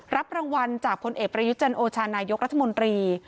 รับรางวัลจากคนเอกประยุจรรย์โอชารณายกรัฐมนตรี